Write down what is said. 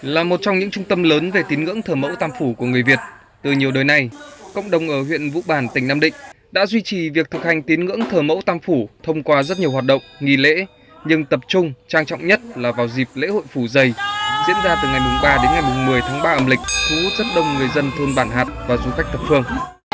là một trong những trung tâm lớn về tín ngưỡng thờ mẫu tam phủ của người việt từ nhiều đời này cộng đồng ở huyện vũ bản tỉnh nam định đã duy trì việc thực hành tín ngưỡng thờ mẫu tam phủ thông qua rất nhiều hoạt động nghỉ lễ nhưng tập trung trang trọng nhất là vào dịp lễ hội phủ dây diễn ra từ ngày ba đến ngày một mươi tháng ba âm lịch thu hút rất đông người dân thôn bản hạt và du khách thập phương